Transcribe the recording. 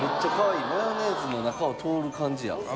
マヨネーズの中を通る感じや。